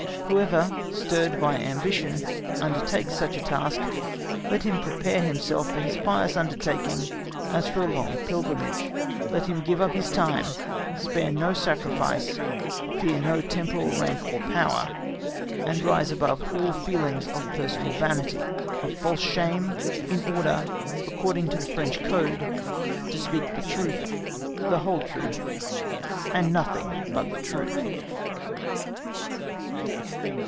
Whoever, stirred by ambition, undertakes such a task, let him prepare himself for his pious undertaking as for a long pilgrimage; let him give up his time, spare no sacrifice, fear no temporal rank or power, and rise above all feelings of personal vanity, of false shame, in order, according to the French code, to speak _the Truth, the whole Truth, and nothing but the Truth.